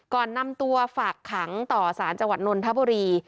ก่อนนำตัวฝักขังต่อสานจวดนนทบรี